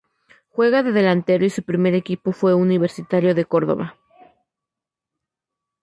Juega de delantero y su primer equipo fue Universitario de Córdoba.